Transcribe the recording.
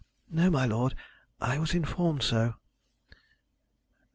"No, my lord. I was informed so."